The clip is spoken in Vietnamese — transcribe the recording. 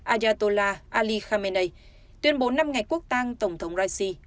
ayatollah ali khamenei tuyên bố năm ngày quốc tăng tổng thống raisi